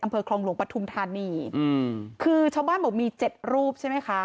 อำเภอคลองหลวงปฐุมธานีอืมคือชาวบ้านบอกมีเจ็ดรูปใช่ไหมคะ